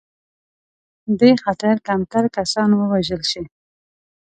دې خاطر کمتر کسان ووژل شي.